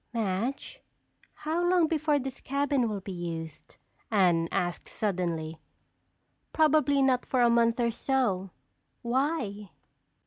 "Madge, how long before this cabin will be used?" Anne asked suddenly. "Probably not for a month or so. Why?"